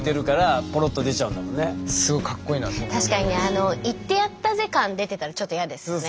確かにねあの言ってやったぜ感出てたらちょっと嫌ですね。